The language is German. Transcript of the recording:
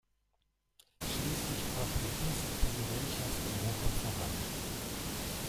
Schließlich brachte diese Präsidentschaft Europa voran.